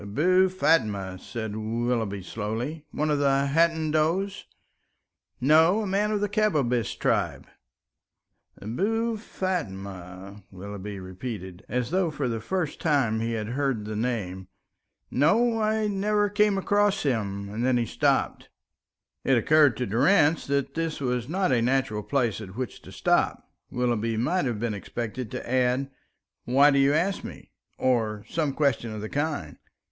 "Abou Fatma," said Willoughby, slowly, "one of the Hadendoas?" "No, a man of the Kabbabish tribe." "Abou Fatma?" Willoughby repeated, as though for the first time he had heard the name. "No, I never came across him;" and then he stopped. It occurred to Durrance that it was not a natural place at which to stop; Willoughby might have been expected to add, "Why do you ask me?" or some question of the kind.